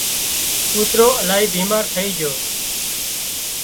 ڪوترو الاهي بيمار ٿئي جھو